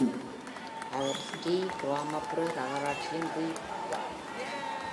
அவர் ஸ்டீ கிராமப்புற நகராட்சியின் ரீவ் ஆவார்.